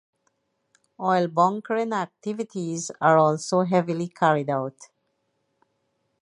Oil bunkering activities are also heavily carried out.